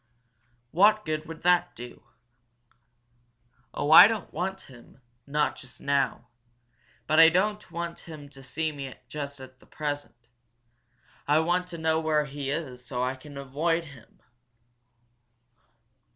"What good would that do?" "Oh, I don't want him not just now. But I don't want him to see me just at present. I want to know where he is so that I can avoid him."